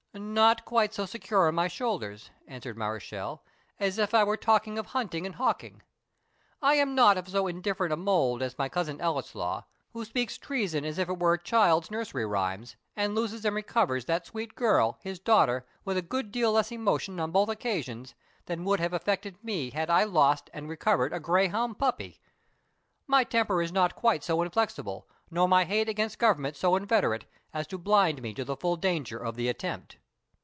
"Not quite so secure on my shoulders," answered Mareschal, "as if I were talking of hunting and hawking. I am not of so indifferent a mould as my cousin Ellieslaw, who speaks treason as if it were a child's nursery rhymes, and loses and recovers that sweet girl, his daughter, with a good deal less emotion on both occasions, than would have affected me had I lost and recovered a greyhound puppy. My temper is not quite so inflexible, nor my hate against government so inveterate, as to blind me to the full danger of the attempt."